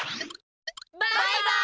バイバイ！